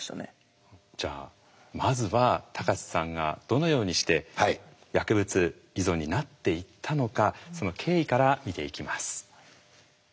じゃあまずは高知さんがどのようにして薬物依存になっていったのかその経緯から見ていきます。